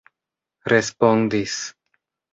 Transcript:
respondis